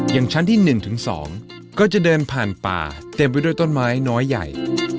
อย่างชั้นที่๑ถึง๒ก็จะเดินผ่านป่าเต็มไปด้วยต้นไม้น้อยใหญ่